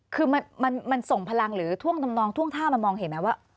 คือมันส่งพลังหรือท่วงทำนองท่วงท่ามามองเห็นไหมว่า